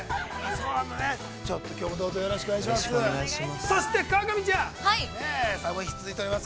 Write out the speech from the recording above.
ちょっときょうもどうぞよろしくお願いします。